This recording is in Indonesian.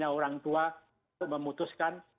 orang tua memutuskan